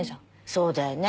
そうだよね。